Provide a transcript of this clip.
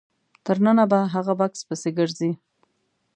تر ننه په هغه بکس پسې ګرځي.